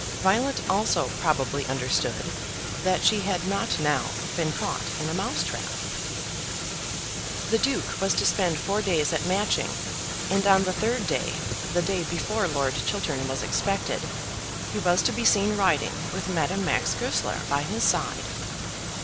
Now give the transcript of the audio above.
Violet also probably understood that she had not now been caught in a mousetrap. The Duke was to spend four days at Matching, and on the third day, the day before Lord Chiltern was expected, he was to be seen riding with Madame Max Goesler by his side.